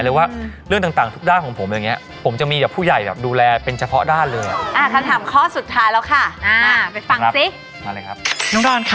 หรือว่าเรื่องต่างทุกด้านของผมแบบนี้ผมจะมีผู้ใหญ่ดูแลเป็นเฉพาะด้านเลย